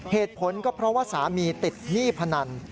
เหตุผลก็เพราะว่าสามีติดหนี้พนัน